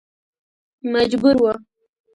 مجبور و.